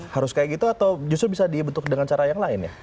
harus kayak gitu atau justru bisa dibentuk dengan cara yang lain ya